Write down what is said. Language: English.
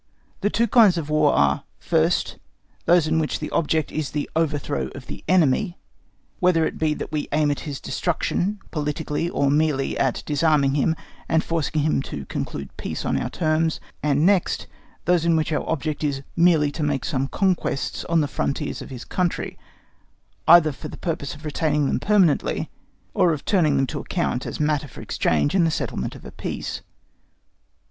The two kinds of War are, first, those in which the object is the overthrow of the enemy, whether it be that we aim at his destruction, politically, or merely at disarming him and forcing him to conclude peace on our terms; and next, those in which our object is merely to make some conquests on the frontiers of his country, either for the purpose of retaining them permanently, or of turning them to account as matter of exchange in the settlement of a peace.